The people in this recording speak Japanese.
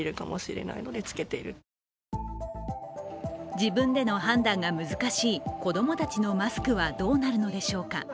自分での判断が難しい子供たちのマスクはどうなるのでしょうか。